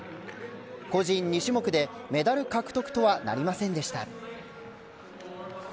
個人２種目でメダル獲得とはなりませんでした。